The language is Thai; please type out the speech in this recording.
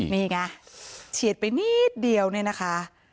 นี่ไงเฉียดไปนิดเดียวเนี่ยนะคะ